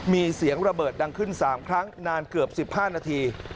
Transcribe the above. มีเสียงระเบิดดังขึ้น๓ครั้งนานเกือบ๑๕นาที